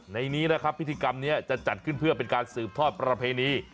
ในนี้นะครับพิธีกรรมนี้จะจัดขึ้นเพื่อเป็นการสืบทอดประเพณี